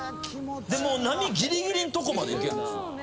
でもう波ギリギリんとこまで行けるんですよ。